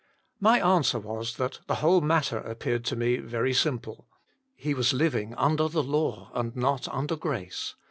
My answer was, that the whole matter appeared to me very simple ; he was living under the law and not under grace.